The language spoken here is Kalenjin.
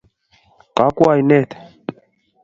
Kakwo oineet.